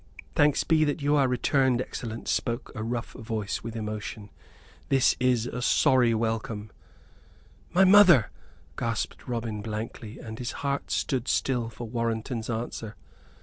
"Thanks be that you are returned, excellence," spoke a rough voice, with emotion. "This is a sorry welcome." "My mother?" gasped Robin, blankly, and his heart stood still for Warrenton's answer.